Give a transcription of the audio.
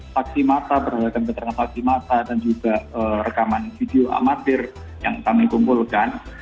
paksi mata berharga peterangan paksi mata dan juga rekaman video amatir yang kami kumpulkan